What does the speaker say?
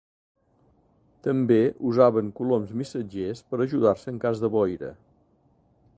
També usaven coloms missatgers per ajudar-se en cas de boira.